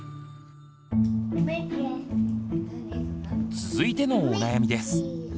続いてのお悩みです。